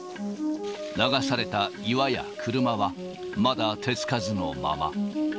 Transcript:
流された岩や車は、まだ手付かずのまま。